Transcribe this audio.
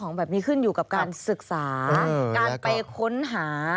ของแบบนี้ขึ้นอยู่กับการศึกษาการไปค้นหา